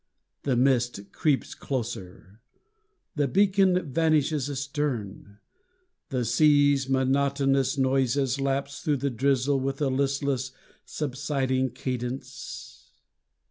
The mist creeps closer. The beacon Vanishes astern. The sea's monotonous noises Lapse through the drizzle with a listless, subsiding cadence.